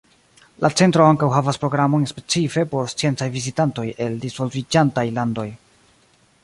La centro ankaŭ havas programojn specife por sciencaj vizitantoj el divolviĝantaj landoj.